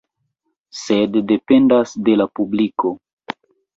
Sed dependas de la publiko.